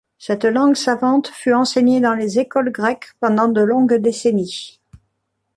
Cette langue savante fut enseignée dans les écoles grecques pendant de longues décennies.